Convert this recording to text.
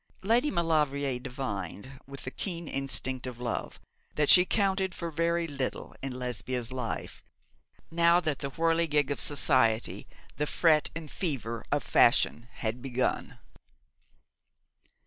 Lady Maulevrier divined, with the keen instinct of love, that she counted for very little in Lesbia's life, now that the whirligig of society, the fret and fever of fashion, had begun.